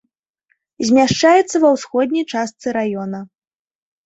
Змяшчаецца ва ўсходняй частцы раёна.